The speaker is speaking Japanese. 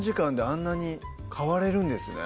あんなに変われるんですね